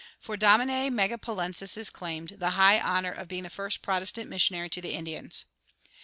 For Domine Megapolensis is claimed[71:1] the high honor of being the first Protestant missionary to the Indians.